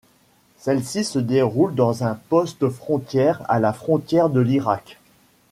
Celle-ci se déroule dans un poste-frontière à la frontière de l'Irak.